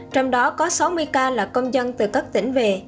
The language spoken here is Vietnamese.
trong đó có sáu mươi ca là công dân từ các tỉnh về